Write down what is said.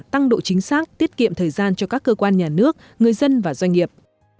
tăng độ chính xác tiết kiệm thời gian cho các cơ quan nhà nước người dân và doanh nghiệp